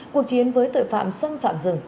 cuộc chiến với tội phạm xâm phạm rừng